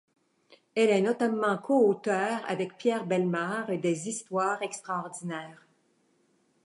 Elle est notamment coauteur avec Pierre Bellemare des Histoires extraordinaires.